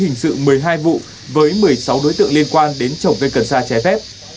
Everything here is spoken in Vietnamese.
hình sự một mươi hai vụ với một mươi sáu đối tượng liên quan đến trồng cây cần sa trái phép